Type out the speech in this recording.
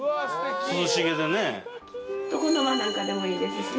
床の間なんかでもいいですし。